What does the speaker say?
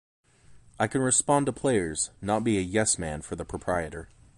I can respond to players, not be a yes-man for the proprietor.